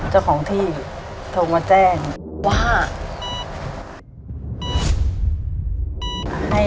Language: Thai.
เจ้าของที่โทรมาแจ้งว่า